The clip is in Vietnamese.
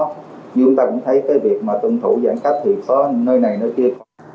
như chúng ta cũng thấy cái việc mà tuân thủ giãn cách thì có nơi này nơi kia